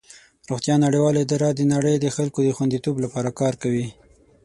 روغتیا نړیواله اداره د نړۍ د خلکو د خوندیتوب لپاره کار کوي.